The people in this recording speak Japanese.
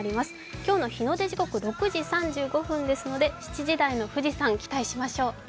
今日の日の出時刻、６時３５分ですので、７時台の富士山期待しましょう。